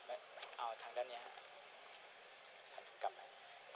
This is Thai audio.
เอาทางด้านเนี้ยทางกลางมา